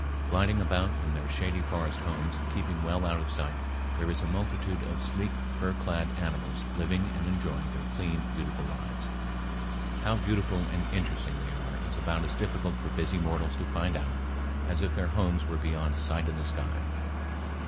Gliding about in their shady forest homes, keeping well out of sight, there is a multitude of sleek fur clad animals living and enjoying their clean, beautiful lives. How beautiful and interesting they are is about as difficult for busy mortals to find out as if their homes were beyond sight in the sky.